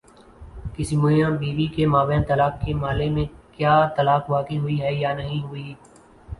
کسی میاں بیوی کے مابین طلاق کے مألے میں کیا طلاق واقع ہوئی ہے یا نہیں ہوئی؟